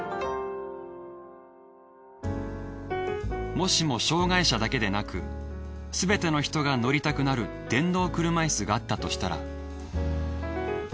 もしも障害者だけでなくすべての人が乗りたくなる電動車イスがあったとしたら。